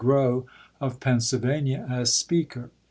Grow of Pennsylvania, as speaker.